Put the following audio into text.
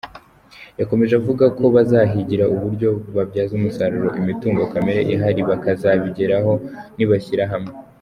Yakomeje avuga ko bazahigira uburyo babyaza umusaruro imitungo kamere ihari, bakazabigeraho nibashyira hamwe.